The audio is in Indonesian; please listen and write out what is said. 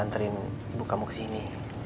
anterin ibu kamu kesini